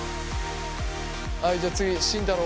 はいじゃあ次慎太郎。